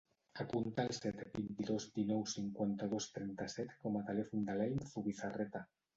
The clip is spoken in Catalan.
Apunta el set, vint-i-dos, dinou, cinquanta-dos, trenta-set com a telèfon de l'Elm Zubizarreta.